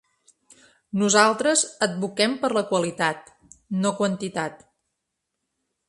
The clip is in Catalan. Nosaltres advoquem per la qualitat, no quantitat.